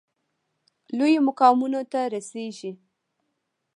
لویو مقامونو ته رسیږي.